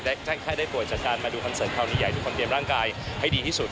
และถ้าได้ป่วยจากการมาดูคอนเสิร์ตคราวนี้ใหญ่ทุกคนเตรียมร่างกายให้ดีที่สุด